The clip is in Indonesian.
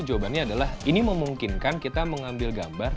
jawabannya adalah ini memungkinkan kita mengambil gambar